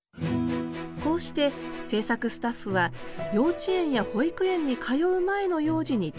こうして制作スタッフは幼稚園や保育園に通う前の幼児に注目。